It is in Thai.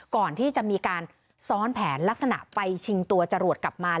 ก่อนที่จะมีการซ้อนแผนลักษณะไปชิงตัวจรวดกลับมา